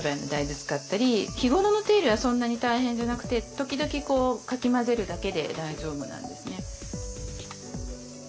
日頃の手入れはそんなに大変じゃなくて時々かき混ぜるだけで大丈夫なんですね。